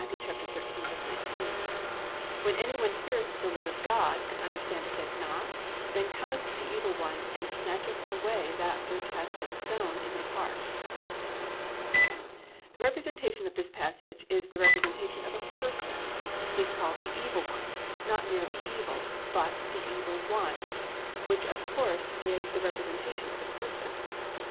13:19: +"When any one heareth the word of God, and understandeth it not, then cometh the evil one, and snatcheth away that which hath been sown in his heart."+ The representation of this passage is the representation of a person. He is called "The Evil One," not merely "evil," but "The Evil One," which of course is the representation of a person.